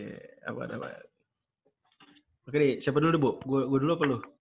oke apaan apaan oke ini siapa dulu bu gua dulu apa lu